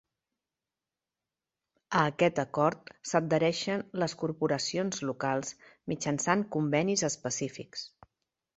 A aquest acord s'adhereixen les corporacions locals mitjançant convenis específics.